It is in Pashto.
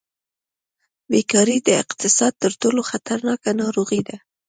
بېکاري د اقتصاد تر ټولو خطرناکه ناروغي ده.